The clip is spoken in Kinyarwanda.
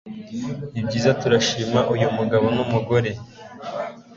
nibyiza! turashima uyu mugabo; n'umugore